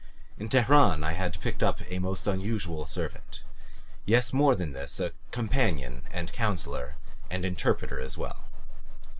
In Teheran I had picked up a most unusual servant; yes, more than this, a companion and counselor and interpreter as well.